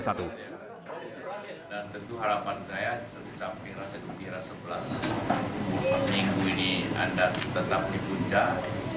dan tentu harapan saya setelah pengerasan kumpiran sebelas minggu ini anda tetap di puncak